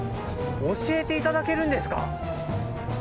教えていただけるんですか？